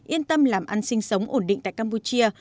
yên tâm làm ăn sinh sống ổn định tại campuchia